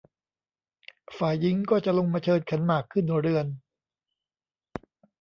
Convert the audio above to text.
ฝ่ายหญิงก็จะลงมาเชิญขันหมากขึ้นเรือน